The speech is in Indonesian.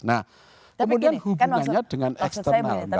kemudian hubungannya dengan eksternal